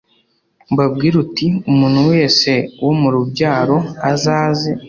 Ubabwire uti Umuntu wese wo mu rubyaro aze